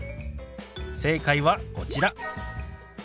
正解はこちら。